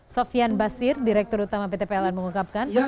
sofian basir direktur utama pt pln mengungkapkan